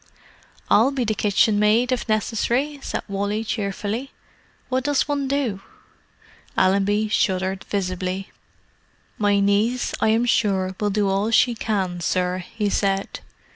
"I'll be the kitchenmaid, if necessary," said Wally cheerfully. "What does one do?" Allenby shuddered visibly. "My niece, I am sure, will do all she can, sir," he said.